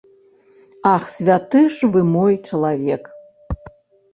Ах, святы ж вы мой чалавек!